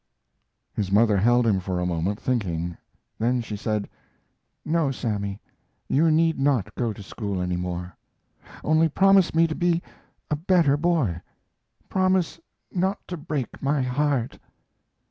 His mother held him for a moment, thinking, then she said: "No, Sammy; you need not go to school any more. Only promise me to be a better boy. Promise not to break my heart."